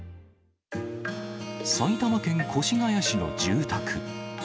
埼玉県越谷市の住宅。